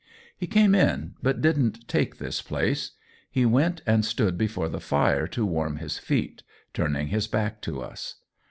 He came in, but didn't take this place ; he went and stood before the fire to warm his feet, turning his back to us.